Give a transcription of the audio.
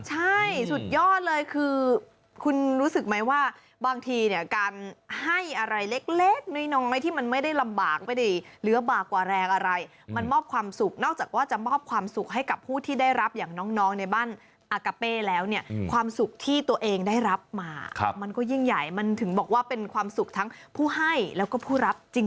ใช่สุดยอดเลยคือคุณรู้สึกไหมว่าบางทีเนี่ยการให้อะไรเล็กน้อยที่มันไม่ได้ลำบากไม่ได้เหลือบากกว่าแรงอะไรมันมอบความสุขนอกจากว่าจะมอบความสุขให้กับผู้ที่ได้รับอย่างน้องในบ้านอากาเป้แล้วเนี่ยความสุขที่ตัวเองได้รับมามันก็ยิ่งใหญ่มันถึงบอกว่าเป็นความสุขทั้งผู้ให้แล้วก็ผู้รับจริง